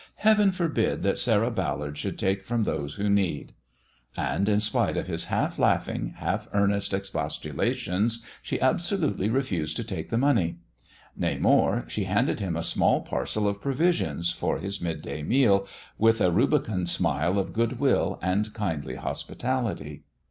" Heaven forbid that Sarah Ballard should take from those who need." And in spite of his half laughing, half earnest expostu lations, she absolutely refused to take the money. Nay more, she handed him a small parcel of provisions, for his midday meal, with a rubicund smile of goodmll and kindly hospitality.